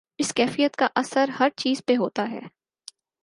اس کیفیت کا اثر ہر چیز پہ ہوتا ہے۔